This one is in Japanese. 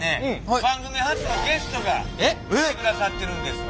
番組初のゲストが来てくださってるんですわ。